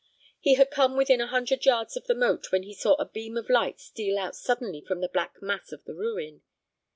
He had come within a hundred yards of the moat when he saw a beam of light steal out suddenly from the black mass of the ruin.